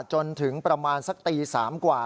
จนถึงประมาณสักตี๓กว่า